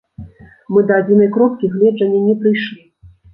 Мы да адзінай кропкі гледжання не прыйшлі.